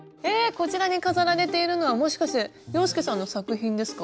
こちらに飾られているのはもしかして洋輔さんの作品ですか？